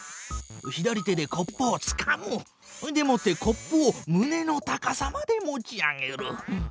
左手でコップをつかむ！でもってコップをむねの高さまで持ち上げる！